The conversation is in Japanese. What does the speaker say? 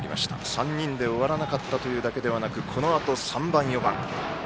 ３人で終わらなかったというだけではなくこのあと３番、４番。